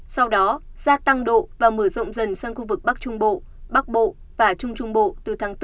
sau đó gia tăng độ và mở rộng dần sang khu vực bắc trung bộ bắc bộ và trung trung bộ từ tháng bốn